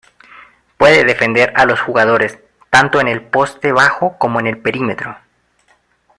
Puede defender a los jugadores tanto en el poste bajo como en el perímetro.